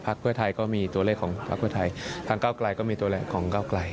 เพื่อไทยก็มีตัวเลขของพักเพื่อไทยทางเก้าไกลก็มีตัวแรกของเก้าไกล